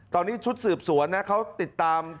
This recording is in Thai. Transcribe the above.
ตอนนี้ชุดสืบสวนนะเขาติดตาม